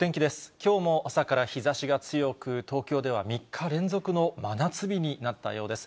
きょうも朝から日ざしが強く、東京では３日連続の真夏日になったようです。